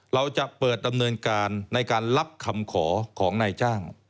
เราจะเปิดดำเนินการในการรับคำขอของนายจ้าง